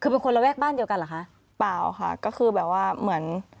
คือเป็นคนระแวกบ้านเดียวกันเหรอคะเปล่าค่ะก็คือแบบว่าเหมือน